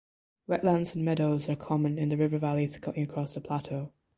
Wetlands and meadows are common in the river valleys cutting across the plateau.